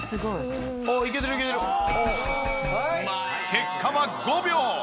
結果は５秒！